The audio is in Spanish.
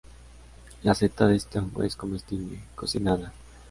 La seta de este hongo es comestible, cocinada.